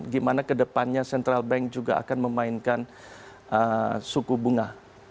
gimana ke depannya central bank juga akan memainkan suku bunga